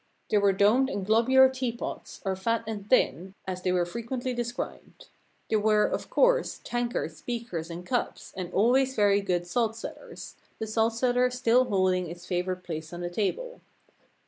There were domed and globular tea pots, or fat and thin, as they were frequently described. There were, of course, tankards, beakers, and cups, and always very good salt cellars, the salt cellar still holding its favored place on the table.